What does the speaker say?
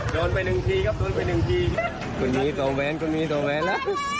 โดนไปหนึ่งทีครับไปหนึ่งทีคุณมีตัวแวงคุณมีตัวแวงนะ